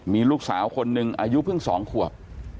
มีลูกสาวคนหนึ่งอายุเพิ่ง๒ขวบ